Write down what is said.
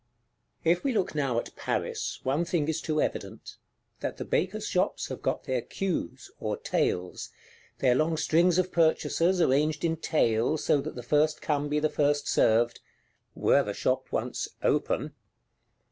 If we look now at Paris, one thing is too evident: that the Baker's shops have got their Queues, or Tails; their long strings of purchasers, arranged in tail, so that the first come be the first served,—were the shop once open!